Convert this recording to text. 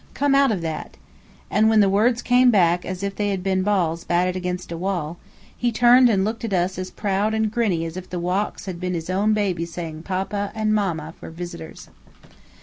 Come out of that!" And when the words came back as if they had been balls batted against a wall, he turned and looked at us as proud and grinny as if the rocks had been his own baby saying "papa" and "mamma" for visitors.